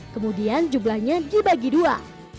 kemudian jumlahnya dibagi dua